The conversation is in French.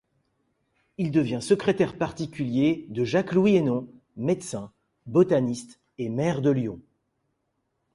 Il devient secrétaire particulier de Jacques-Louis Hénon, médecin, botaniste et maire de Lyon.